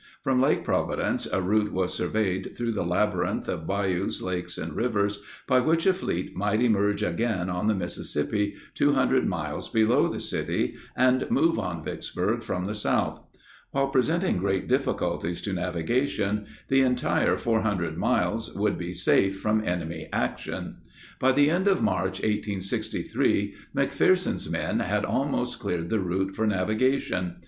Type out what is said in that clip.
From Lake Providence a route was surveyed through the labyrinth of bayous, lakes, and rivers by which a fleet might emerge again on the Mississippi 200 miles below the city and move on Vicksburg from the south. While presenting great difficulties to navigation, the entire 400 miles would be safe from enemy action. By the end of March 1863, McPherson's men had almost cleared the route for navigation.